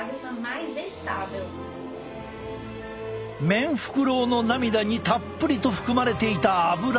メンフクロウの涙にたっぷりと含まれていたアブラ。